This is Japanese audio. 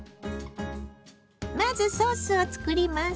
まずソースを作ります。